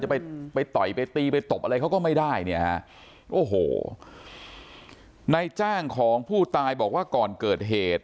ไปไปต่อยไปตีไปตบอะไรเขาก็ไม่ได้เนี่ยฮะโอ้โหในจ้างของผู้ตายบอกว่าก่อนเกิดเหตุ